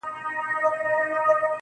اوس خورا په خړپ رپيږي ورځ تېرېږي,